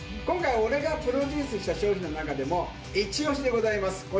今回俺がプロデュースした商品の中でもイチオシでございます